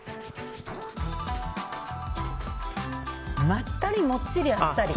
まったりもっちりあっさり。